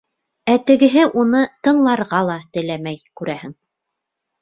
Ә тегеһе уны тыңларға ла теләмәй, күрәһең.